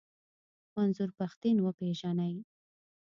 منظور پښتين و پېژنئ.